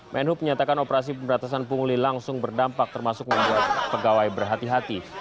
menhub menyatakan operasi pemberantasan pungli langsung berdampak termasuk membuat pegawai berhati hati